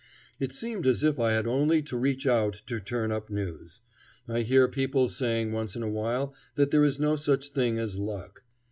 It seemed as if I had only to reach out to turn up news. I hear people saying once in a while that there is no such thing as luck.